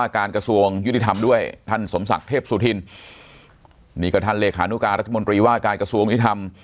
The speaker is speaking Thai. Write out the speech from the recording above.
การกระทรวงยุติธรรมด้วยท่านสมศักดิ์เทพสุธินนี่ก็ท่านเลขานุการรัฐมนตรีว่าการกระทรวงยุทธรรม